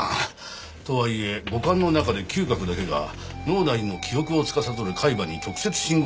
とはいえ五感の中で嗅覚だけが脳内の記憶を司る海馬に直接信号を送る事が出来る。